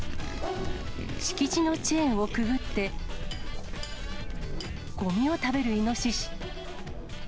敷地のチェーンをくぐって、ごみを食べるイノシシ。